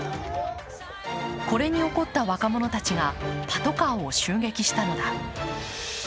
これに怒った若者たちがパトカーを襲撃したのだ。